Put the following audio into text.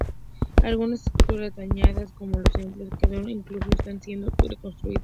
Algunas estructuras dañadas, como los templos de Akenatón, incluso están siendo reconstruidas.